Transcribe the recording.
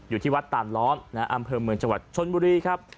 อยู่ที่วัดตานล้อมอำเภอเมืองจังหวัดชนบุรีครับ